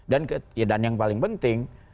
dan yang paling penting